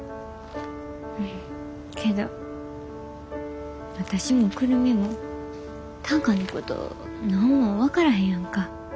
けど私も久留美も短歌のこと何も分からへんやんか。